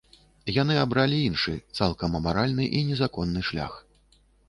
Яны абралі іншы, цалкам амаральны і незаконны шлях.